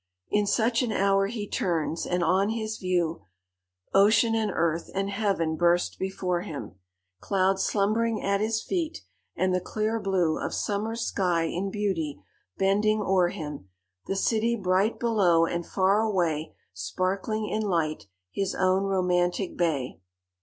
"In such an hour he turns, and on his view Ocean, and earth, and heaven, burst before him; Clouds slumbering at his feet, and the clear blue Of summer's sky in beauty bending o'er him; The city bright below; and far away Sparkling in light, his own romantic bay.